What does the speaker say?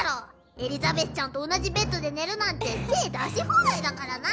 エリザベスちゃんと同じベッドで寝るなんて手ぇ出し放題だからな。